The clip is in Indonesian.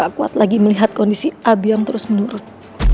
agak kuat lagi melihat kondisi abi yang terus menurut